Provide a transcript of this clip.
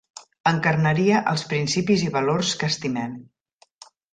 Encarnaria els principis i valors que estimem.